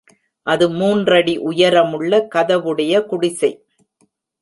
அது மூன்றடி உயர முள்ள கதவுடைய குடிசை.